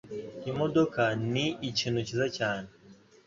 Imodoka ni ikintu cyiza cyane.